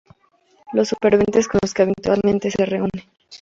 Los superventas con los que habitualmente se reúne